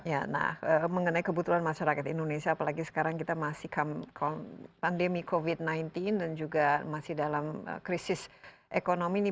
ya nah mengenai kebutuhan masyarakat indonesia apalagi sekarang kita masih pandemi covid sembilan belas dan juga masih dalam krisis ekonomi ini